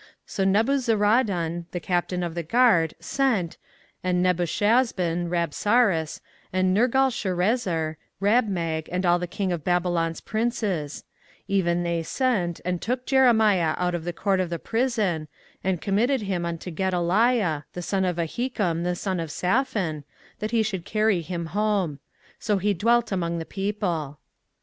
24:039:013 So Nebuzaradan the captain of the guard sent, and Nebushasban, Rabsaris, and Nergalsharezer, Rabmag, and all the king of Babylon's princes; 24:039:014 Even they sent, and took Jeremiah out of the court of the prison, and committed him unto Gedaliah the son of Ahikam the son of Shaphan, that he should carry him home: so he dwelt among the people.